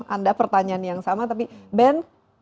anda pertanyaan yang sama tapi ben